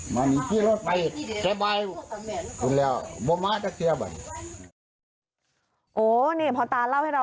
พักพูดที่ใจสมมุติตัวรอยแรกเธอ